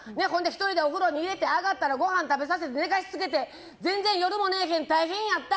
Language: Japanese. お風呂入れて上がったらごはん食べさせて寝かしつけて、全然夜も寝えへん大変やった。